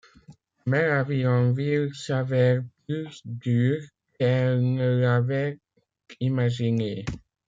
Mais la vie en ville s’avère plus dure qu’elle ne l’avait imaginée.